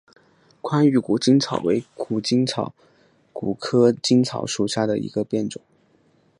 宽玉谷精草为谷精草科谷精草属下的一个变种。